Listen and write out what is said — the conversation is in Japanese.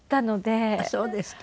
あっそうですか。